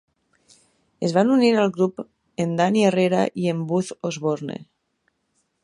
Es van unir al grup en Danny Herrera i en Buzz Osborne.